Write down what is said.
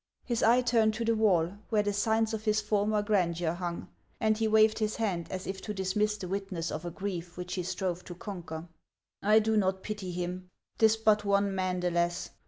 His eye turned to the wall, where the signs of his former grandeur hung, and he waved his hand, as if to dismiss the witness of a grief which he strove to conquer. " I do not pity him ; 't is but one man the less.